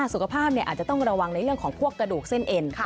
สุขภาพอาจจะต้องระวังในเรื่องของพวกกระดูกเส้นเอ็น